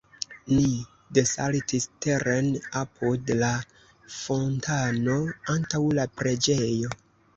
Ni desaltis teren apud la fontano, antaŭ la preĝejo.